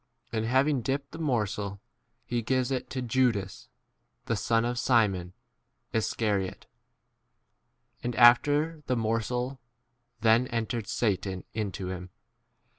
And hav ing dipped the morsel, he gives it to Judas [the son] of Simon, Is 27 cariote. And, after the morsel, then entered Satan into him.